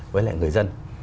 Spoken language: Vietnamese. với lại người dân